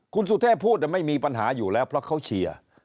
คุณสุเทพพูดไม่มีปัญหาอยู่แล้วเพราะเขาเชียร์